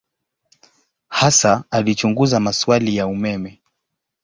Hasa alichunguza maswali ya umeme.